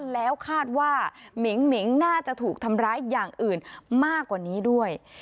แล้วคาดว่ามิ่งหิงน่าจะถูกทำร้ายอย่างอื่นมากกว่านี้ด้วย